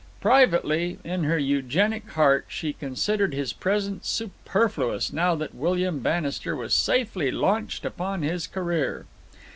Privately, in her eugenic heart, she considered his presence superfluous now that William Bannister was safely launched upon his career.